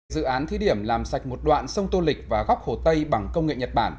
dự án thí điểm làm sạch một đoạn sông tô lịch và góc hồ tây bằng công nghệ nhật bản